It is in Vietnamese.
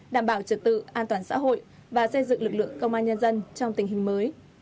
đảm bảo trật tự an toàn xã hội và xây dựng lực lượng công an nhân dân trong tình hình mới